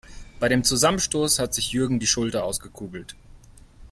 Bei dem Zusammenstoß hat sich Jürgen die Schulter ausgekugelt.